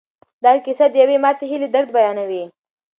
دا کیسه د یوې ماتې هیلې درد بیانوي.